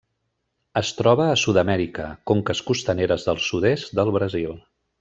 Es troba a Sud-amèrica: conques costaneres del sud-est del Brasil.